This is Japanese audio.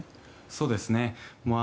そうですね。